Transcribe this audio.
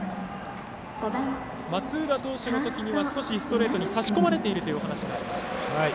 松浦投手のときには少しストレートに差し込まれているというお話がありました。